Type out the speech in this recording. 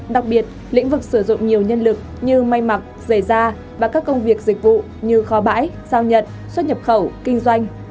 đặc biệt lĩnh vực sử dụng nhiều nhân lực như may mặc giày da và các công việc dịch vụ như kho bãi giao nhận xuất nhập khẩu kinh doanh